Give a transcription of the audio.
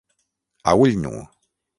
A ull nu.